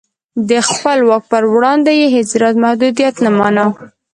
د خپل واک پر وړاندې یې هېڅ راز محدودیت نه مانه.